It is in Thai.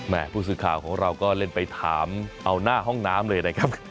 ผู้สื่อข่าวของเราก็เล่นไปถามเอาหน้าห้องน้ำเลยนะครับ